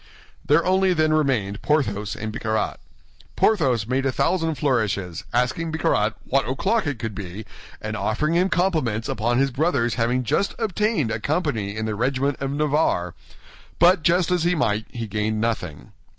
There only then remained Porthos and Bicarat. Porthos made a thousand flourishes, asking Bicarat what o'clock it could be, and offering him his compliments upon his brother's having just obtained a company in the regiment of Navarre; but, jest as he might, he gained nothing.